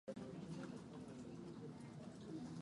chúc mừng năm mới